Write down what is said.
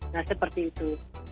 nah seperti itu